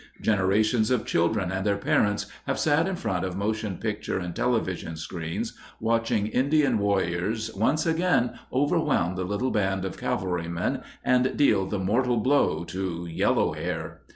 Generations of children, and their parents, have sat in front of motion picture and television screens watching Indian warriors once again overwhelm the little band of cavalrymen and deal the mortal blow to "Yellow Hair."